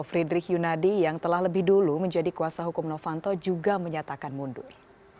pak rady oto hasibuan juga menyatakan mundur